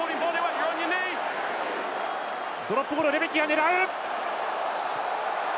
ドロップゴールをレメキが狙う。